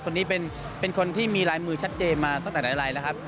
คนนี้เป็นคนที่มีลายมือชัดเจนมาตั้งแต่ไหนอะไรแล้วครับ